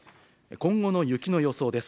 今後の雪の予想です。